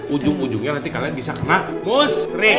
ujung ujungnya nanti kalian bisa kena musre